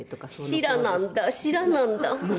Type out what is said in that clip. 知らなんだ知らなんだ。